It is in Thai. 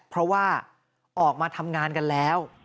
เพราะว่าออกมาทำงานกันแล้ว